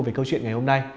về câu chuyện ngày hôm nay